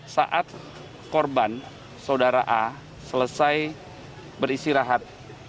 saat korban saudara a selesai beristirahat